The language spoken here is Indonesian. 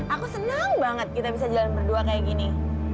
aku senang banget kita bisa jalan berdua kayak gini